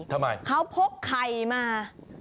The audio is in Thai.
ทำไมเขาพกไข่มา